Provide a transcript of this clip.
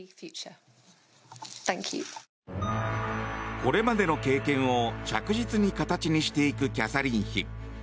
これまでの経験を着実に形にしていくキャサリン妃。